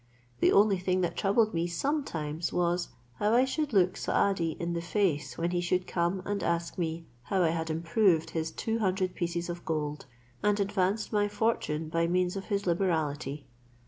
The only thing that troubled me sometimes was, how I should look Saadi in the face when he should come and ask me how I had improved his two hundred pieces of gold, and advanced my fortune by means of his liberality.